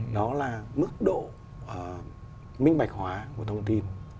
đó là mức độ minh bạch hóa của thông tin